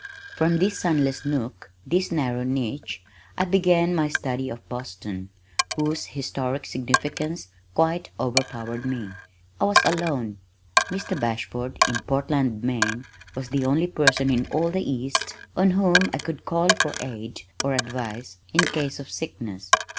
From this sunless nook, this narrow niche, I began my study of Boston, whose historic significance quite overpowered me. I was alone. Mr. Bashford, in Portland, Maine, was the only person in all the east on whom I could call for aid or advice in case of sickness.